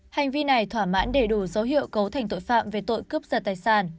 hành vi này thỏa mãn đề đủ số hiệu cấu thành tội phạm về tội cướp giật tài sản